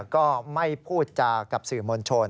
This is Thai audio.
ก็ไม่พูดจากับสื่อมวลชน